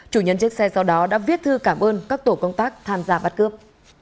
chủ nhân chiếc xe sau đó đã viết thư cảm ơn các tổ công tác tham gia bắt cướp